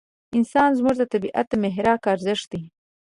انسان زموږ د طبعیت د محراق ارزښت دی.